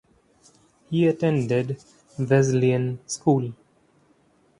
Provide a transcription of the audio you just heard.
He attended Wesleyan School.